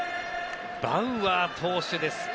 バウアー投手です。